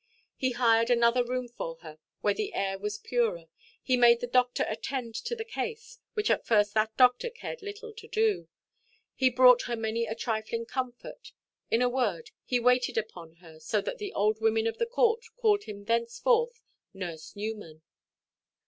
He hired another room for her, where the air was purer; he made the doctor attend to the case, which at first that doctor cared little to do; he brought her many a trifling comfort; in a word, he waited upon her so that the old women of the court called him thenceforth "Nurse Newman."